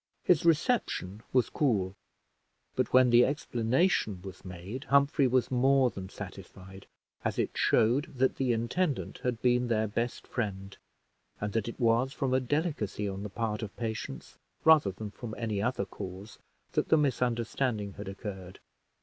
His reception was cool; but when the explanation was made, Humphrey was more than satisfied, as it showed that the intendant had been their best friend, and that it was from a delicacy on the part of Patience, rather than from any other cause, that the misunderstanding had occurred.